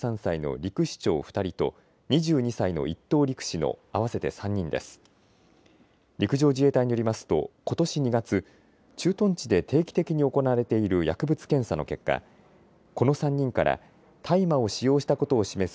陸上自衛隊によりますとことし２月、駐屯地で定期的に行われている薬物検査の結果、この３人から大麻を使用したことを示す